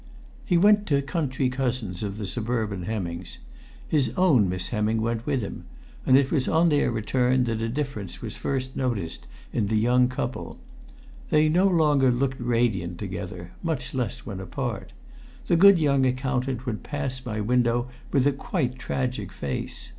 He went to country cousins of the suburban Hemmings; his own Miss Hemming went with him, and it was on their return that a difference was first noticed in the young couple. They no longer looked radiant together, much less when apart. The good young accountant would pass my window with a quite tragic face.